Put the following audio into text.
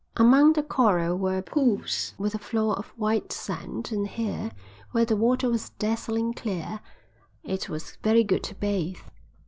Among the coral were pools with a floor of white sand and here, where the water was dazzling clear, it was very good to bathe.